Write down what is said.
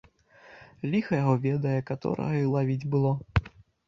Ліха яго ведае, каторага й лавіць было!